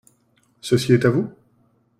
Ceci est à vous ?